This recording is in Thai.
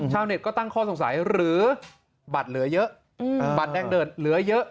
ชาวเน็ตก็ตั้งข้อสงสัยหรือบัตรเหลือเยอะบัตรแดงเดิดเหลือเยอะ